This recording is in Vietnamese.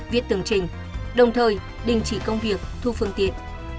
viết tường trình đồng thời đình chỉ công việc thu phương tiện